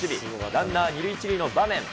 ランナー２塁、１塁の場面。